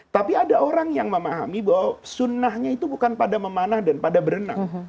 tapi ada orang yang memahami bahwa sunnahnya itu bukan pada memanah dan pada berenang